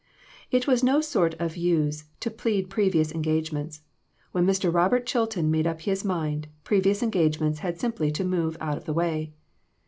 It was no sort of use to plead previous engage ments ; when Mr. Robert Chilton made up his mind, previous engagements had simply to move out of the way.